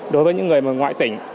đối với những người ngoại tỉnh